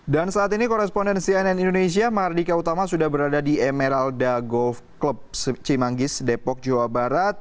dan saat ini koresponden cnn indonesia mardika utama sudah berada di emerald golf club cimanggis depok jawa barat